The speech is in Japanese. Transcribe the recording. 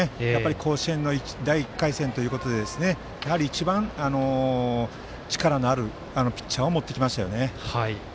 甲子園の第１回戦ということで一番、力のあるピッチャーを持ってきましたよね。